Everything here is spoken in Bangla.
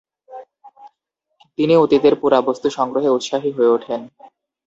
তিনি অতীতের পুরাবস্তু সংগ্রহে উৎসাহী হয়ে ওঠেন।